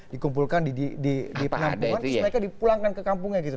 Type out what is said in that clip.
dikumpulkan di penampungan terus mereka dipulangkan ke kampungnya gitu